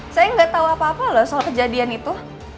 saya gak tau apa apa loh soal kejadian itu